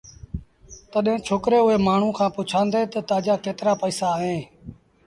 تڏهيݩ ڇوڪري اُئي مآڻهوٚٚݩ کآݩ پُڇيآݩدي تا تآجآ ڪيترآ پيئيٚسآ اهيݩ